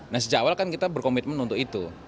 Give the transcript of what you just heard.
nah sejak awal kan kita berkomitmen untuk itu